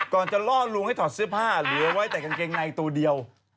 ก่อนจะล่อลวงให้ถอดเสื้อผ้าเหลือไว้แต่กางเกงในตัวเดียว